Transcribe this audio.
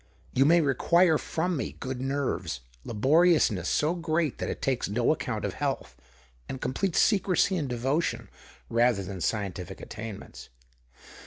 You may equire from me good nerves, laboriousness great that it takes no account of health, nd complete secrecy and devotion, rather han scientific attainments.